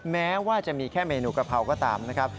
แม้ว่าจะมีแค่เมนูกะเพราก็ตามนะครับ